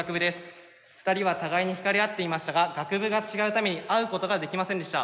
２人は互いに引かれ合っていましたが学部が違うために会うことができませんでした。